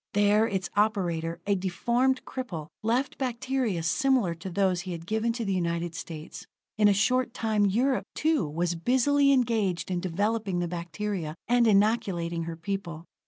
There its operator, a deformed cripple, left bacteria similar to those he had given to the United States. In a short time Europe, too, was busily engaged in developing the bacteria, and inoculating her people.